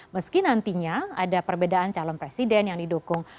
meski nantinya ada perbedaan calon presiden yang didukung